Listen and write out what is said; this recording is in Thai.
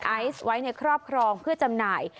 ไอซ์ไว้ในครอบครองเพื่อจำหน่าย